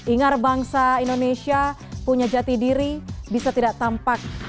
ingat bangsa indonesia punya jati diri bisa tidak tampak